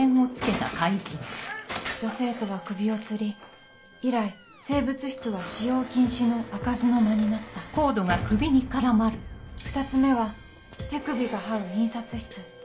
女生徒は首を吊り以来生物室は使用禁止のあかずの間になった２つ目は「手首が這う印刷室」